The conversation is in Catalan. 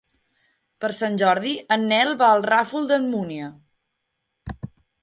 Per Sant Jordi en Nel va al Ràfol d'Almúnia.